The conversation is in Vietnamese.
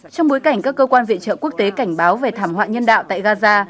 trong bối cảnh các cơ quan viện trợ quốc tế cảnh báo về thảm họa nhân đạo tại gaza